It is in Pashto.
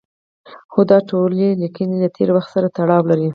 خو دا ټولې لیکنې له تېر وخت سره تړاو لري.